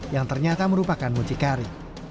yang ternyata merupakan mucikari